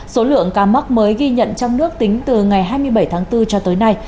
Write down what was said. số lượng ca mắc mới ghi nhận trong nước tính từ ngày hai mươi bảy tháng bốn cho tới nay